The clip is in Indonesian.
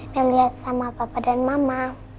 nih liat sama papa dan mama